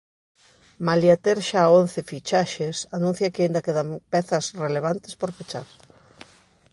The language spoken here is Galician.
Malia ter xa once fichaxes, anuncia que aínda quedan pezas relevantes por pechar.